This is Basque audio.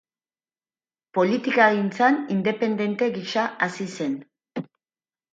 Politikagintzan independente gisa hasi zen.